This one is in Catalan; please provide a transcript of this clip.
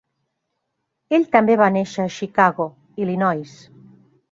Ell també va néixer a Chicago, Illinois.